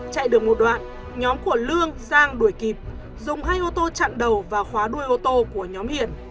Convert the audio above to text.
chạy được một đoạn nhóm của lương sang đuổi kịp dùng hai ô tô chặn đầu và khóa đuôi ô tô của nhóm hiền